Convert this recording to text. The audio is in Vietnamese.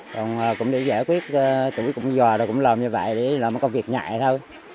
còn cũng để giải quyết tuổi cũng dò rồi cũng làm như vậy để làm mới công việc nhẹ thôi